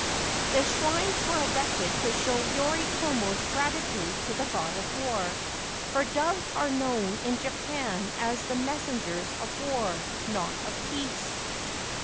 The shrines were erected to show Yoritomo's gratitude to the God of War, for doves are known in Japan as the messengers of war, not of peace.